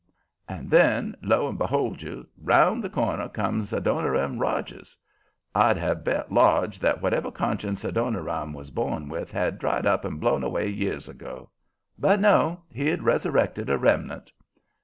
And then, lo and behold you, around the corner comes Adoniram Rogers. I'd have bet large that whatever conscience Adoniram was born with had dried up and blown away years ago. But no; he'd resurrected a remnant.